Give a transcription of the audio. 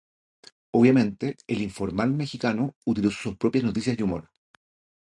Obviamente, "El informal" mexicano utilizó sus propias noticias y humor.